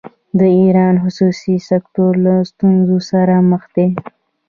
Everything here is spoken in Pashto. د ایران خصوصي سکتور له ستونزو سره مخ دی.